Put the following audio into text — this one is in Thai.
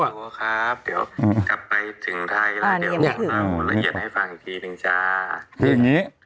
เดี๋ยวกลับไปถึงไทยแล้วเดี๋ยวมาหมดละเอียดให้ฟังอีกทีหนึ่งจ้า